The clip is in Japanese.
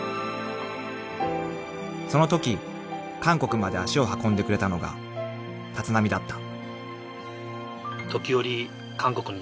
［そのとき韓国まで足を運んでくれたのが立浪だった］